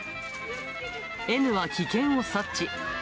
Ｎは危険を察知。